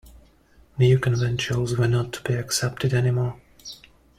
New conventuals were not to be accepted anymore.